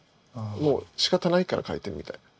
もうしかたないから描いてるみたいな。